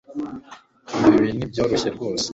Umva ibi Nibyoroshye rwose